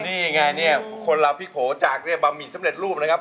นี่ไงเนี่ยคนเราพลิกโผล่จากบะหมี่สำเร็จรูปนะครับ